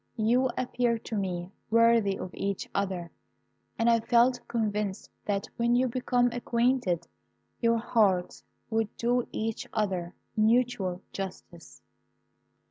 You appeared to me worthy of each other, and I felt convinced that when you became acquainted, your hearts would do each other mutual justice.